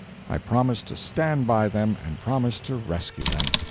I promised to stand by them, I promised to rescue them.